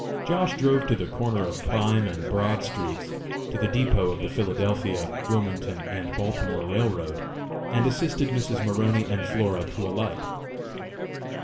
Josh. drove to the corner of Prime and Broad streets, to the depot of the Philadelphia, Wilmington and Baltimore Railroad, and assisted Mrs. Maroney and Flora to alight.